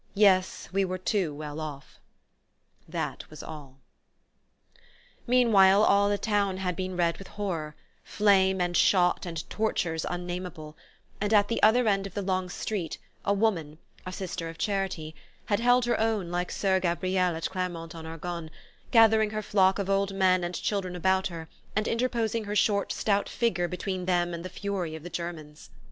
Yes, we were too well off..." That was all. Meanwhile all the town had been red with horror flame and shot and tortures unnameable; and at the other end of the long street, a woman, a Sister of Charity, had held her own like Soeur Gabrielle at Clermont en Argonne, gathering her flock of old men and children about her and interposing her short stout figure between them and the fury of the Germans.